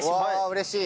うれしい。